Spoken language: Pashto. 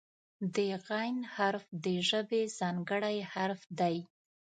د "غ" حرف د ژبې ځانګړی حرف دی.